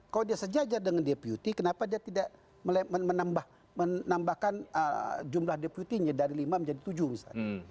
kalau dia sejajar dengan deputi kenapa dia tidak menambahkan jumlah deputinya dari lima menjadi tujuh misalnya